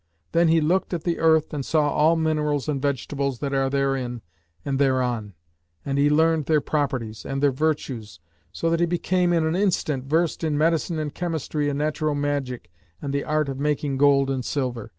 Then he looked at the earth and saw all minerals and vegetables that are therein and thereon; and he learned their properties, and their virtues, so that he became in an instant versed in medicine and chemistry and natural magic and the art of making gold and silver.